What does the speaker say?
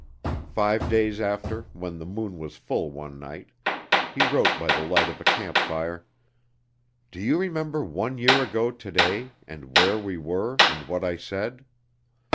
Five days after, when the moon was full one night, he wrote by the light of a camp fire: "Do you remember one year ago to day, and where we were and what I said?